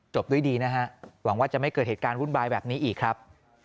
ด้วยดีนะฮะหวังว่าจะไม่เกิดเหตุการณ์วุ่นวายแบบนี้อีกครับ